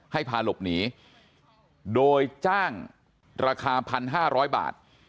พาหลบหนีโดยจ้างราคา๑๕๐๐บาท